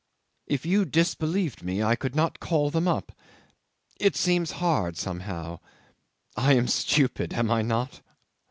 If you disbelieved me I could not call them up. It seems hard, somehow. I am stupid, am I not?